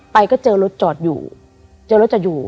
ไปก็เจอรถจอดอยู่